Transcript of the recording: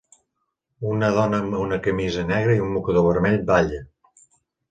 Una dona amb una camisa negra i un mocador vermell balla.